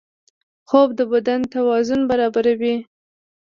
خوب د بدن توازن برابروي